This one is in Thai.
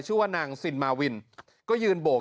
ชื่อว่านางซินมาวินก็ยืนโบก